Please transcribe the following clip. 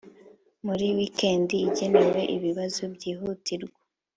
muri wikendi igenewe ibibazo byihutirwa